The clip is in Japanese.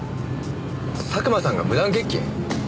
佐久間さんが無断欠勤？